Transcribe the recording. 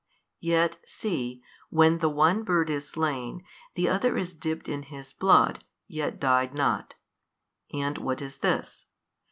Yet see, when the one bird is slain, the other is dipped in his blood, yet died not. And what is this?